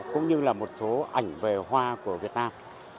cũng như là một số ảnh về hoa của việt nam